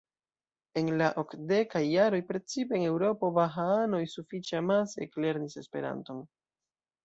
En la okdekaj jaroj precipe en Eŭropo bahaanoj sufiĉe amase eklernis Esperanton.